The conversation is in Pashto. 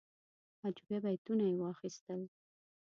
هجویه بیتونه یې واخیستل.